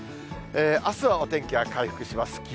あすはお天気は回復します。